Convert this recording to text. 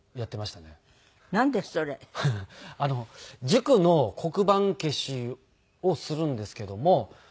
塾の黒板消しをするんですけども。